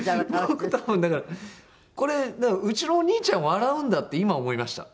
僕多分だからこれうちのお兄ちゃん笑うんだって今思いました